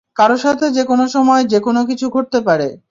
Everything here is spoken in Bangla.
কারও সাথে যেকোনো সময়, যেকোনো কিছু ঘটতে পারে।